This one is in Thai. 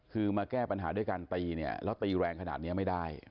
คือมาแก้ปัญหาด้วยการตีเนี่ยแล้วตีแรงขนาดนี้ไม่ได้